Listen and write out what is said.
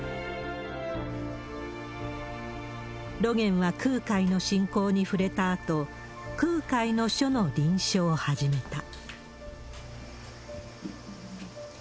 露巌は空海の信仰に触れたあと、空海の書の臨書を始めた。